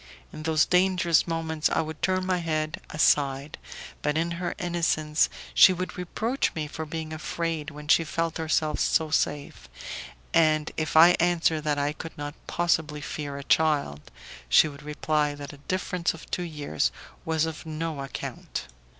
In those dangerous moments I would turn my head aside; but in her innocence she would reproach me for being afraid when she felt herself so safe, and if I answered that I could not possibly fear a child, she would reply that a difference of two years was of no account.